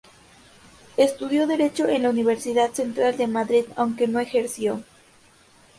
Estudió Derecho en la Universidad Central de Madrid, aunque no ejerció.